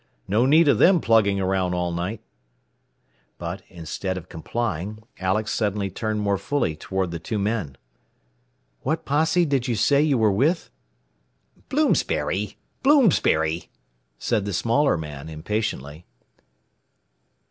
No need of them plugging around all night." But, instead of complying, Alex suddenly turned more fully toward the two men. "What posse did you say you were with?" "Bloomsbury! Bloomsbury!" said the smaller man, impatiently.